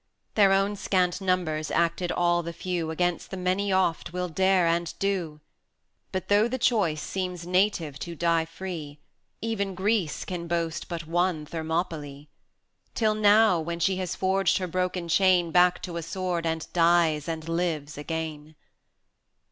Their own scant numbers acted all the few Against the many oft will dare and do; But though the choice seems native to die free, Even Greece can boast but one Thermopylæ, Till now, when she has forged her broken chain Back to a sword, and dies and lives again!